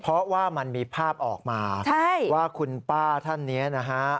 เพราะว่ามันมีภาพออกมาใช่ว่าคุณป้าท่านนี้นะฮะ